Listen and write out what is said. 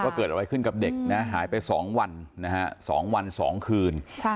ว่าเกิดอะไรขึ้นกับเด็กหายไปสองวันสองวันสองคืน